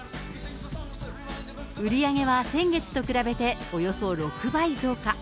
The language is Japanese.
売り上げは先月と比べておよそ６倍増加。